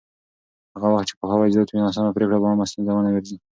هغه وخت چې پوهاوی زیات وي، ناسمه پرېکړه به عامه ستونزه ونه ګرځي.